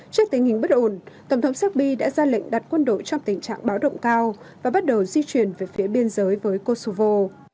trước tình hình bất ổn tổng thống serbi đã ra lệnh đặt quân đội trong tình trạng báo động cao và bắt đầu di chuyển về phía biên giới với kosovo